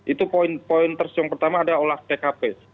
itu poin poin tersebut pertama adalah olah tkp